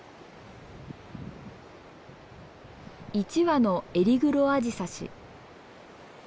１羽のエリグロアジサシ。